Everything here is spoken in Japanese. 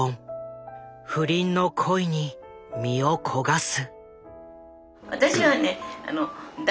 不倫の恋に身を焦がす。